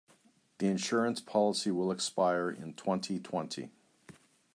The insurance policy will expire in twenty-twenty.